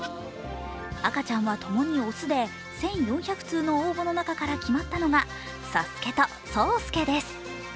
赤ちゃんは共に雄で１４００通の応募の中から決まったのが佐助と草助です。